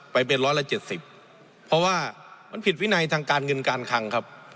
ไปเป็นร้อยละเจ็ดสิบเพราะว่ามันผิดวินัยทางการเงินการคังครับ